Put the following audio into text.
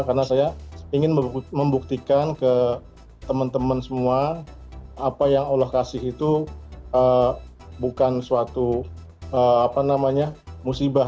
karena saya ingin membuktikan ke temen temen semua apa yang allah kasih itu bukan suatu musibah